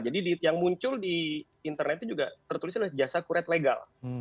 jadi yang muncul di internet itu juga tertulis jasa kuret legal